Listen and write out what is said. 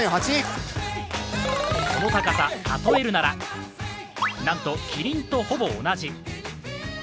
この高さ、例えるならなんときりんとほぼ同じ。